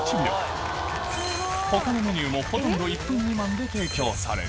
他のメニューもほとんど１分未満で提供される